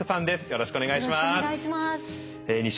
よろしくお願いします。